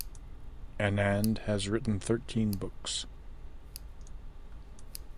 Anand has written thirteen books.